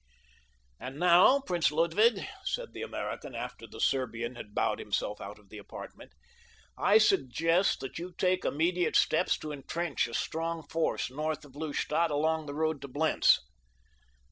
"And now, Prince Ludwig," said the American after the Serbian had bowed himself out of the apartment, "I suggest that you take immediate steps to entrench a strong force north of Lustadt along the road to Blentz."